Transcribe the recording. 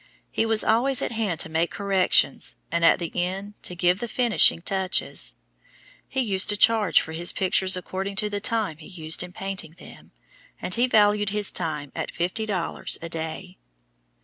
He was always at hand to make corrections and, at the end, to give the finishing touches. He used to charge for his pictures according to the time he used in painting them, and he valued his time at fifty dollars a day.